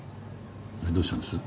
どうしたんです？